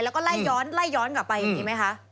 แล้วก็ไล่ย้อนไล่ย้อนกลับไปอย่างนี้ไหมคะ